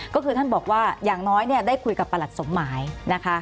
ก็คือท่านบอกว่าอย่างน้อยเนี่ยได้คุยกับประหลัดสมหมายนะคะ